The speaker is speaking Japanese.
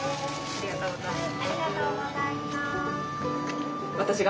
ありがとうございます。